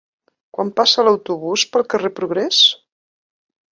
Quan passa l'autobús pel carrer Progrés?